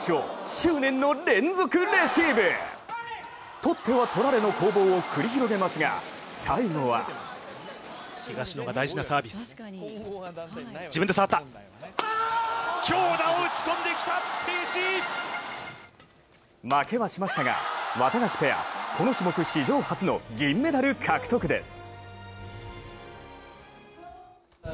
取っては取られの攻防を繰り広げますが最後は負けはしましたがワタガシペア、この種目史上初の銀メダル獲得です。